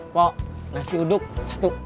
pok nasi uduk satu